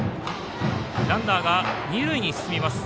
ランナーが二塁に進みます。